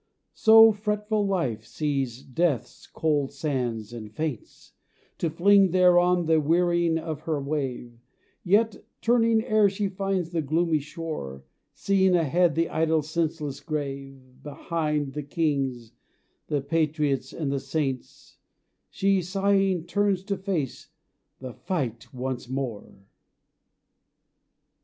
So fretful Life sees Death's cold sands and faints To fling thereon the wearing of her wave, Yet, turning ere she finds the gloomy shore, Seeing ahead the idle senseless grave, Behind the Kings, the Patriots and the Saints, She sighing turns to face the fight once more.